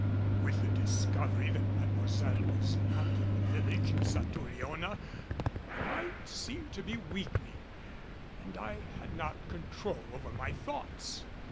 With the discovery that Mademoiselle was not in the village of Satouriona my mind seemed to be weakening, and I had not control over my thoughts.